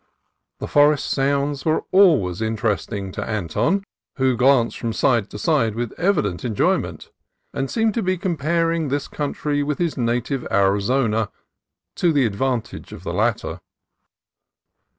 The forest sounds were always interesting to Anton, who glanced from side to side with evident enjoy ment, and seemed to be comparing this country with his native Arizona, to the disadvantage of the latter.